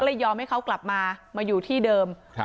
ก็เลยยอมให้เขากลับมามาอยู่ที่เดิมครับ